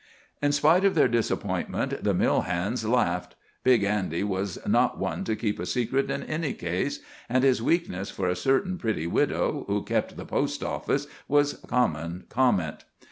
In spite of their disappointment, the mill hands laughed. Big Andy was not one to keep a secret in any case, and his weakness for a certain pretty widow who kept the post office was common comment.